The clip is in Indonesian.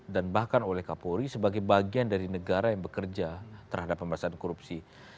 dan bahkan oleh kapolri sebagai bagian dari negara yang bekerja terhadap pemberasaan korupsi